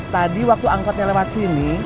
tadi waktu angkotnya lewat sini